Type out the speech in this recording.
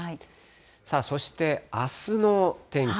さあ、そしてあすの天気。